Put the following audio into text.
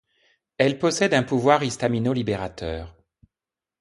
Elle possède un pouvoir histaminolibérateur.